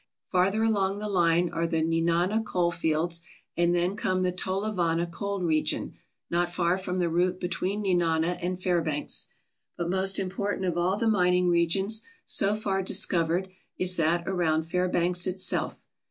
Farther along the line are the Nenana coal fields, and then comes the Tolovana gold region, not far from the route between Nenana and Fairbanks. But most important of all the mining regions so far discovered is that around Fairbanks itself.